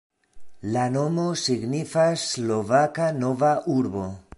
La nomo signifas Slovaka Nova Urbo.